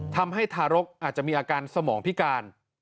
ทารกอาจจะมีอาการสมองพิการ